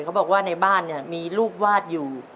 เขาบอกว่าในบ้านเนี่ยมีรูปวาดอยู่